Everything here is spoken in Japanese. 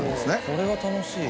これは楽しい。